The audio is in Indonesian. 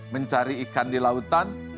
mencari ikan di lautan